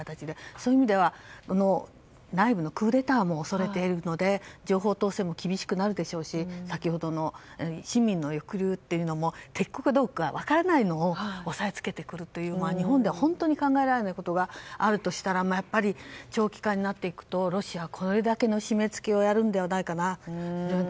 そういう意味では内部のクーデターも恐れているので情報統制も厳しくなるでしょうし先ほどの市民の抑留というのも敵国の人かどうか分からないのを押さえつけてくるという日本では本当に考えられないことがあるとしたら長期化していくとロシアはこれだけの締め付けをやるのではないかという。